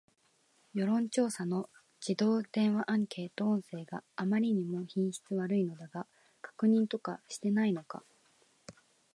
世論調査の自動電話アンケート音声があまりにも品質悪いのだが、確認とかしていないのか